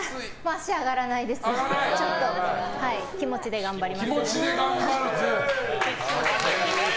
足が上がらないですけど気持ちで頑張ります。